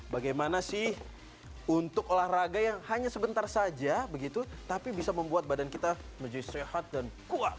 bagaimana sih untuk olahraga yang hanya sebentar saja begitu tapi bisa membuat badan kita menjadi sehat dan kuat